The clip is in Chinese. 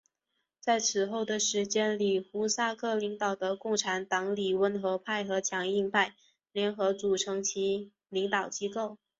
在此后的时间里胡萨克领导的共产党里温和派和强硬派联合组成其领导机构。